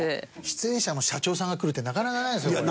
出演者の社長さんが来るってなかなかないですもんね。